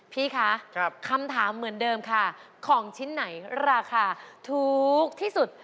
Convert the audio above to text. พี่คะคำถามเหมือนเดิมค่ะของชิ้นไหนราคาถูกที่สุด